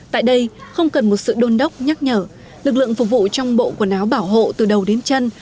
tại đây không cần một sự đôn đốc nhắc nhở lực lượng phục vụ trong bộ quần áo bảo hộ từ đầu đến chân